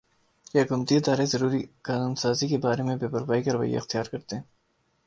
کہ حکومتی ادارے ضروری قانون سازی کے بارے میں بے پروائی کا رویہ اختیار کرتے ہیں